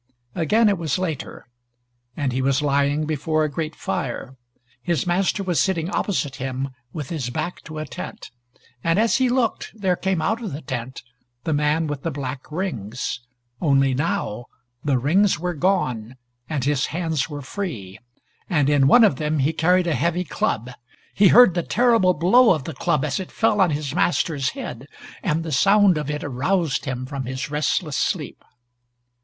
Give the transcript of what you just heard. Again it was later and he was lying before a great fire. His master was sitting opposite him, with his back to a tent, and as he looked, there came out of the tent the man with the black rings only now the rings were gone and his hands were free, and in one of them he carried a heavy club. He heard the terrible blow of the club as it fell on his master's head and the sound of it aroused him from his restless sleep.